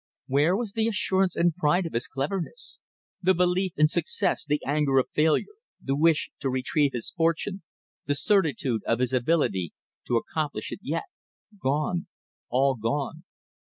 Where was the assurance and pride of his cleverness; the belief in success, the anger of failure, the wish to retrieve his fortune, the certitude of his ability to accomplish it yet? Gone. All gone.